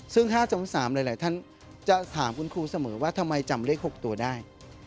ซึ่ง๕๓หลายท่านจะถามคุณครูเสมอว่าทำไมจำเลข๖ตัวได้